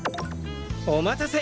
おまたせ！